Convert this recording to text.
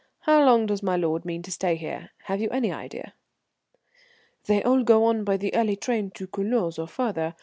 How long does my lord mean to stay here? Have you any idea?" "They all go on by the early train to Culoz or farther.